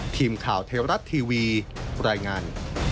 ทีมข่าวไทยรัฐทีวีรายงาน